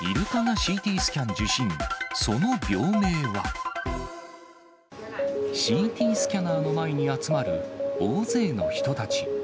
ＣＴスキャナーの前に集まる大勢の人たち。